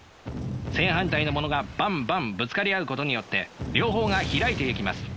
正反対のものがバンバンぶつかり合うことによって両方が開いていきます。